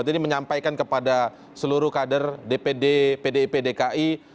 jadi menyampaikan kepada seluruh kader dpd pdip dki